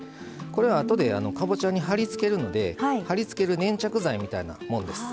これはあとでかぼちゃにはりつけるのではりつける粘着剤みたいなもんです。